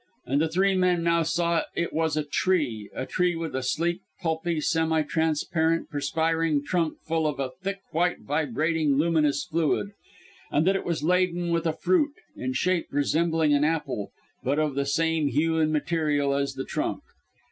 And the three men now saw it was a tree a tree with a sleek, pulpy, semi transparent, perspiring trunk full of a thick, white, vibrating, luminous fluid; and that it was laden with a fruit, in shape resembling an apple, but of the same hue and material as the trunk.